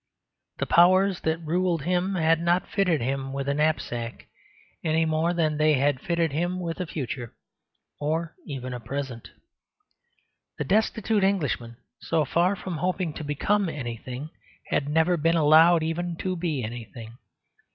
The powers that ruled him had not fitted him with a knapsack, any more than they had fitted him with a future or even a present. The destitute Englishman, so far from hoping to become anything, had never been allowed even to be anything.